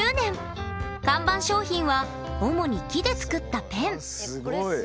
看板商品は主に木で作ったペン。